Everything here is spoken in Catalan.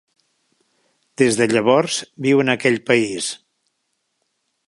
Des de llavors viu en aquell país.